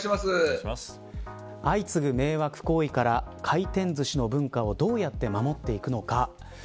相次ぐ迷惑行為から回転ずしの文化をどうやって守っていくのか。